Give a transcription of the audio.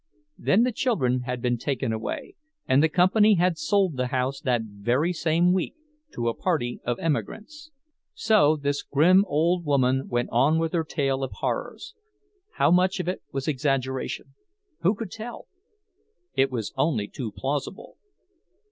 Then the children had been taken away, and the company had sold the house that very same week to a party of emigrants. So this grim old woman went on with her tale of horrors. How much of it was exaggeration—who could tell? It was only too plausible.